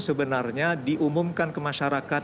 sebenarnya diumumkan ke masyarakat